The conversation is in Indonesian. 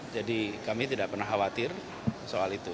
jadi kami tidak pernah khawatir soal itu